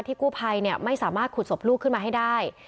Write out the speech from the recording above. กู้ภัยไม่สามารถขุดศพลูกขึ้นมาให้ได้